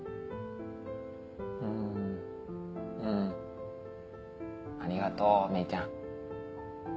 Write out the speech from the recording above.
うんうんありがとう芽衣ちゃん。